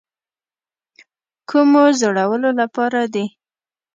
کومې زړولو لپاره دي.